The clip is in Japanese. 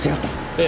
ええ。